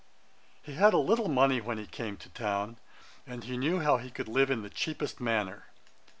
He had a little money when he came to town, and he knew how he could live in the cheapest manner.